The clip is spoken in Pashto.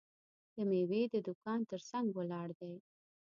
د میوې د دوکان ترڅنګ ولاړ دی.